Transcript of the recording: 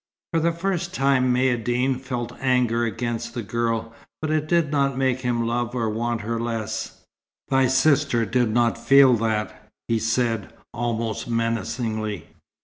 For the first time Maïeddine felt anger against the girl. But it did not make him love or want her the less. "Thy sister did not feel that," he said, almost menacingly.